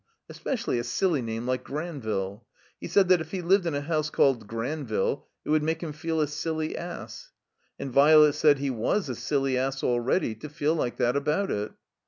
Especially a silly name like Granville. He said that if he lived in a house called Granville it would make him feel a silly ass. And Violet said he was a silly ass already to feel like that about it.